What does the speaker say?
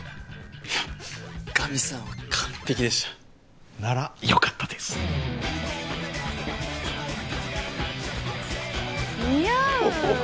いやガミさんは完璧でしたならよかったです似合う！